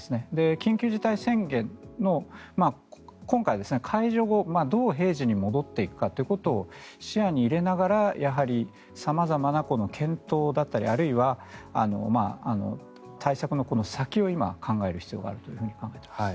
緊急事態宣言の今回、解除後どう平時に戻っていくかということを視野に入れながらやはり様々な検討だったりあるいは対策の先を今、考える必要があると思います。